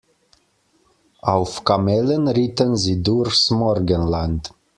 Auf Kamelen ritten sie durchs Morgenland.